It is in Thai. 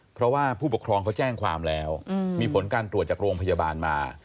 เพราะว่าผู้ปกครองเขาแจ้งความแล้วมีผลการตรวจจากโรงพยาบาลมา